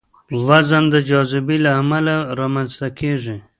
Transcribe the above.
وزن د جاذبې له امله رامنځته کېږي.